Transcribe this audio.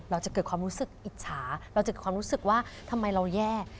เราจะเกิดความรู้สึกอิจฉาเราจะเกิดความรู้สึกว่าทำไมเราแย่